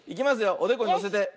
おでこにのせて。